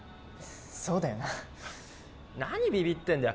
そうだよな何ビビってんだよ